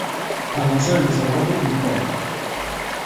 تماشای مسابقات فوتبال